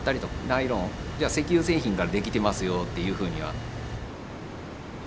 ナイロン石油製品から出来てますよっていうふうには。